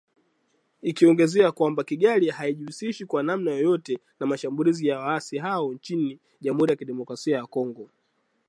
Ikiongezea kwamba “Kigali haijihusishi kwa namna yoyote na mashambulizi ya waasi hao nchini Jamhuri ya Kidemokrasia ya Kongo”